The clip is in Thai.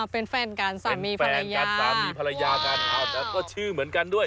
เป็นแฟนกันสามีแฟนกันสามีภรรยากันแล้วก็ชื่อเหมือนกันด้วย